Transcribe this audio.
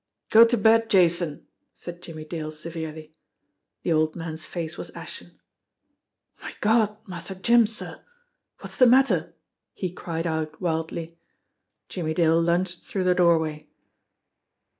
"Go to bed, Jason !" said Jimmie Dale severely. The old man's face was ashen. "My God, Master Jim, sir, what's the matter?" he cried out wildly. Jimmie Dale lunged through the doorway.